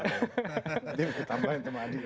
nanti ditambahin sama adi